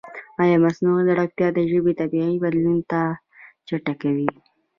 ایا مصنوعي ځیرکتیا د ژبې طبیعي بدلون نه چټکوي؟